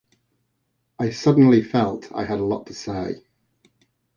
I suddenly felt I had a lot to say.